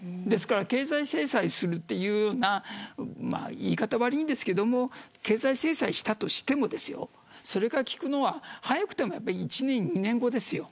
ですから経済制裁するというような言い方は悪いですが経済制裁したとしてもそれが効くのは早くても１年か２年後。